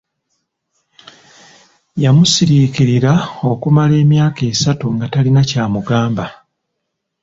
Yamusiriikirira okumala emyaka esatu nga talina ky’amugamba.